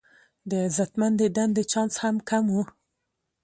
د عزتمندې دندې چانس هم کم و.